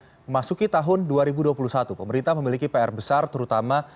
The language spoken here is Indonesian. memasuki tahun dua ribu dua puluh satu pemerintah memiliki pr besar terutama